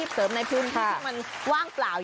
ดอกใหญ่ขายอยู่ที่ราคาดอกละ๒บาท